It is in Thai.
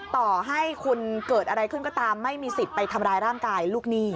ต่อให้คุณเกิดอะไรขึ้นก็ตามไม่มีสิทธิ์ไปทำร้ายร่างกายลูกหนี้